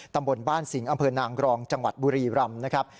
ตำบลบ้านสิงห์อำเภอนางรองจังหวัดบุรีรำนะครับ